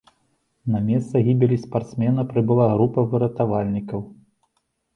На месца гібелі спартсмена прыбыла група выратавальнікаў.